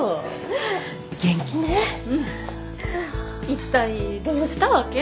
一体どうしたわけ？